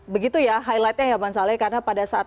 begitu ya highlightnya ya bang saleh karena pada saat